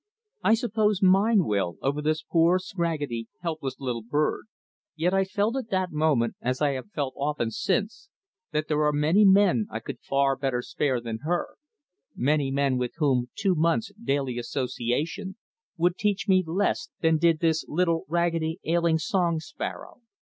I suppose mine will over this poor, scraggedy, helpless little bird, yet I felt at that moment as I have felt often since, that there are many men I could far better spare than her, many men with whom two months' daily association would teach me less than did this little, raggedy, ailing song sparrow.